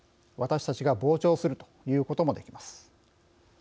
私たちが傍聴するということもできます。